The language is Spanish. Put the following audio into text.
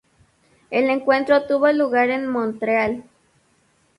El encuentro tuvo lugar en Montreal.